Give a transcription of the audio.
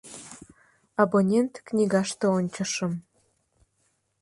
Абонент книгаште ончышым.